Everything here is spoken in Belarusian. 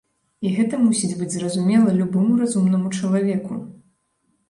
І гэта мусіць быць зразумела любому разумнаму чалавеку.